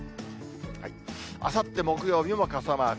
あさって木曜日も傘マーク。